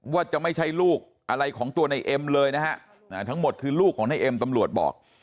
ว่าจะไม่ใช่ลูกอะไรของตัวในเอ็มเลยนะฮะทั้งหมดคือลูกของนายเอ็มตำรวจบอก